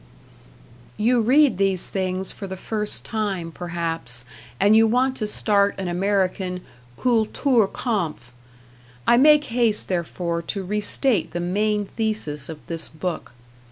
You read these things for the first time, perhaps, and you want to start an American "Kultur kampf." I make haste, therefore, to restate the main thesis of this book.